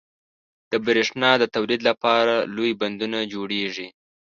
• د برېښنا د تولید لپاره لوی بندونه جوړېږي.